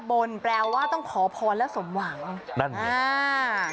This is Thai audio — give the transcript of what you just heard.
บนแปลว่าต้องขอพรและสมหวังนั่นอ่า